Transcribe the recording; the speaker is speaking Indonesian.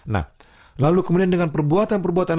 nah lalu kemudian dengan perbuatan perbuatan